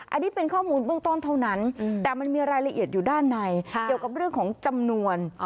อันนี้เป็นข้อมูลเบื้องต้นเท่านั้นแต่มันมีรายละเอียดอยู่ด้านในเกี่ยวกับเรื่องของจำนวน